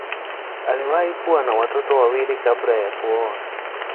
Aliwahi kuwa na watoto wawili kabla ya kuoa.